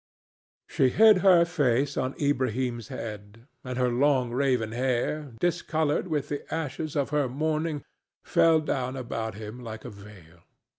She hid her face on Ilbrahim's head, and her long raven hair, discolored with the ashes of her mourning, fell down about him like a veil.